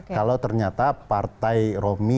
kalau ternyata partai romy